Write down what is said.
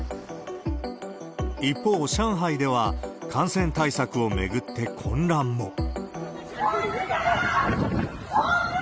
一方、上海では感染対策を巡って、混乱も。